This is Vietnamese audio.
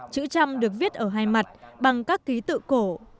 chữ trăm được viết ở hai mặt bằng các ký tự cổ